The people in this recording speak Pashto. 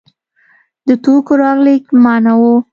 د توکو رالېږد منع و.